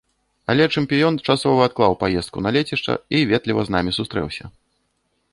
Але чэмпіён часова адклаў паездку на лецішча і ветліва з намі сустрэўся.